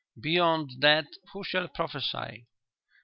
"Beyond that who shall prophesy?"